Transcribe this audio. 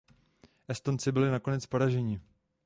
Estonci byli nakonec poraženi.